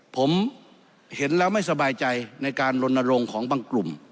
ผมเห็นแล้วไม่สบายใจในการลนรงค์ของบางกลุ่ม